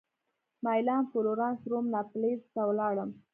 مېلان فلورانس روم ناپلز ته ولاړم.